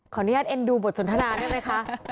อนุญาตเอ็นดูบทสนทนาได้ไหมคะ